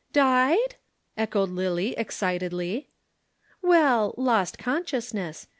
_] "Died?" echoed Lillie excitedly. "Well lost consciousness.